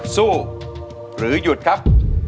สู้หรือหยุดครับ